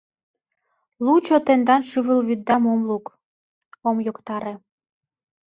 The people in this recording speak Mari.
Лучо тендан шӱвылвӱднам ом лук, ом йоктаре!